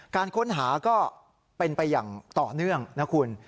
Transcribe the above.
การค้นหาก็เป็นไปอย่างต่อเนื่องนะคุณ